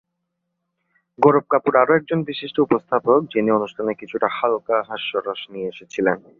গৌরব কাপুর আরও একজন বিশিষ্ট উপস্থাপক, যিনি অনুষ্ঠানে কিছুটা হালকা হাস্যরস নিয়ে এসেছিলেন।